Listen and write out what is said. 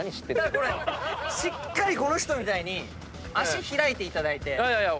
しっかりこの人みたいに足開いていただいて。